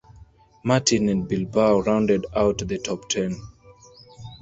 Martin and Bilbao rounded out the top ten.